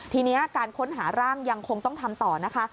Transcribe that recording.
ทีนี้การค้นหาร่างยังคงต้องทำต่อนะคะ